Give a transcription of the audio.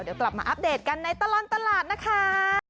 เดี๋ยวกลับมาอัปเดตกันในตลอดตลาดนะคะ